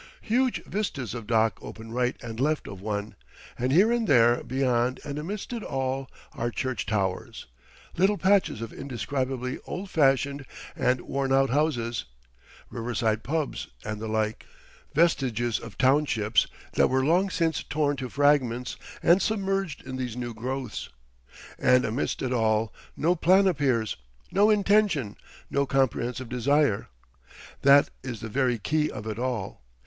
Huge vistas of dock open right and left of one, and here and there beyond and amidst it all are church towers, little patches of indescribably old fashioned and worn out houses, riverside pubs and the like, vestiges of townships that were long since torn to fragments and submerged in these new growths. And amidst it all no plan appears, no intention, no comprehensive desire. That is the very key of it all.